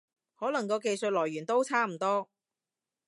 可能個技術來源都差唔多